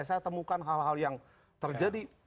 saya temukan hal hal yang terjadi